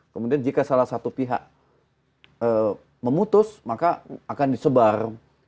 kemudian jika salah satu pihak memutus maka akan disebar